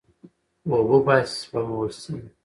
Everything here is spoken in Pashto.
اوبه باید سپمول شي.